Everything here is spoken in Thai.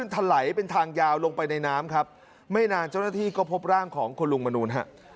เจ้าหน้าที่ก็พบร่างของคนลุงมานู่น